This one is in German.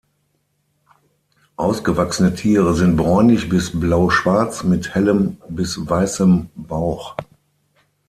Ausgewachsene Tiere sind bräunlich bis blauschwarz mit hellem, bis weißem Bauch.